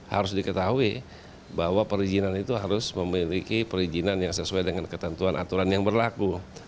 harus diketahui bahwa perizinan itu harus memiliki perizinan yang sesuai dengan ketentuan aturan yang berlaku